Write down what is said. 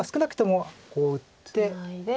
ツナいで。